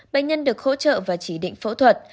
bệnh nhân được hỗ trợ và chỉ định phẫu thuật